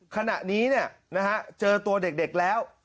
ขณะนี้เนี่ยนะฮะเจอตัวเด็กแล้ว